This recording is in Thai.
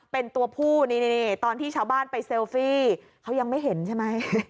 เป็นตัวผู้นี่ตอนที่ชาวบ้านไปเซลฟี่เขายังไม่เห็นใช่ไหม